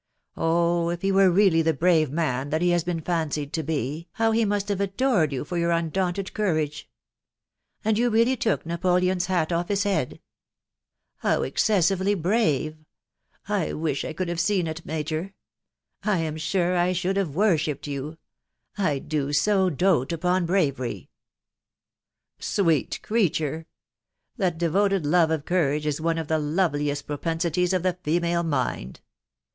Oh ! if he were really the brave man that he has been fancied to be, how he must have adored you for your undaunted cou rage !.... And you really took Napoleon's hat off his head ?.... How excessively brave !.... I wish I could have seen it, major !.... I am sure I should have worshipped you. .. I do so doat upon bravery !" cc Sweet creature !.... That devoted love of courage is one of the loveliest propensities of the female mind.